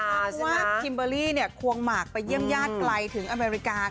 เพราะว่าคิมเบอร์รี่ควงหมากไปเยี่ยมญาติไกลถึงอเมริกา